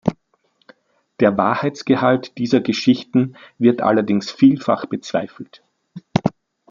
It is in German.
Der Wahrheitsgehalt dieser Geschichten wird allerdings vielfach bezweifelt.